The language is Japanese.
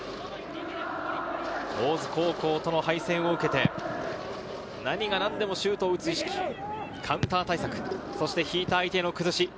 大津高校との敗戦を受けて、何がなんでもシュートを打つ意識、カウンター対策、そして引いた相手への崩し。